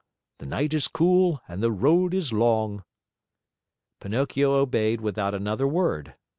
The night is cool and the road is long." Pinocchio obeyed without another word.